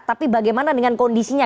tapi bagaimana dengan kondisinya